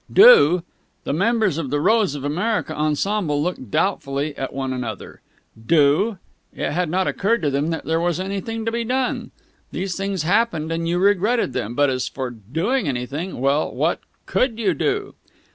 Do? The members of "The Rose of America" ensemble looked doubtfully at one another. Do? It had not occurred to them that there was anything to be done. These things happened, and you regretted them, but as for doing anything, well, what could you do?